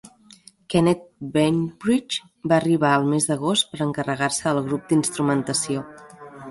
Kenneth Bainbridge va arribar el mes d'agost per encarregar-se del grup d'instrumentació.